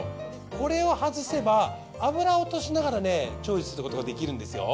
これを外せば油を落としながらね調理することができるんですよ。